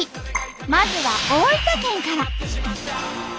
まずは大分県から。